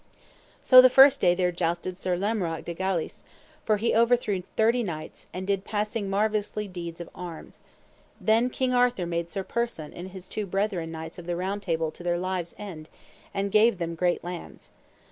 So the first day there jousted Sir Lamorak de Galis, for he overthrew thirty knights, and did passing marvellously deeds of arms; and then King Arthur made Sir Persant and his two brethren Knights of the Round Table to their lives' end, and gave them great lands.